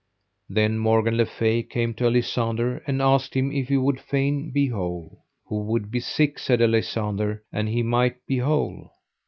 Then Morgan le Fay came to Alisander, and asked him if he would fain be whole. Who would be sick, said Alisander, an he might be whole?